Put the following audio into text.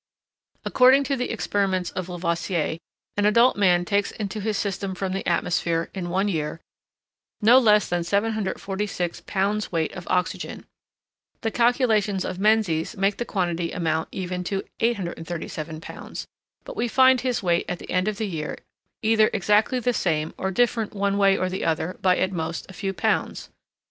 According to the experiments of Lavoisier, an adult man takes into his system from the atmosphere, in one year, no less than 746 pounds weight of oxygen; the calculations of Menzies make the quantity amount even to 837 pounds; but we find his weight at the end of the year either exactly the same or different one way or the other by at most a few pounds.